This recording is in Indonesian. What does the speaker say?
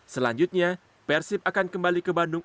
selanjutnya persib akan kembali ke bandung